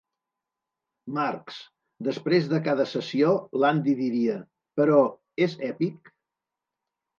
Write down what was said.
Marx: Després de cada sessió, l'Andy diria "Però, és èpic?"